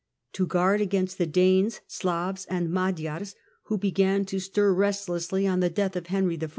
To guard against the Danes, Slavs and Magyars, who began to I stir restlessly on the death of Henry I.